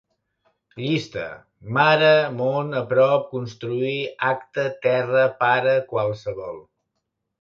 Llista: mare, món, a prop, construir, acte, terra, pare, qualsevol